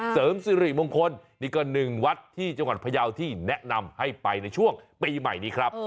เสริมสิริมงคลนี่ก็หนึ่งวัดที่จังหวัดพยาวที่แนะนำให้ไปในช่วงปีใหม่นี้ครับ